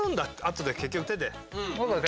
あとで結局手で。